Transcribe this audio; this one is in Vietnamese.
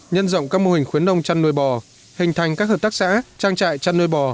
nhân rộng các mô hình khuyến nông chăn nuôi bò hình thành các hợp tác xã trang trại chăn nuôi bò